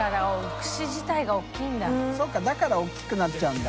修Δだから大きくなっちゃうんだ。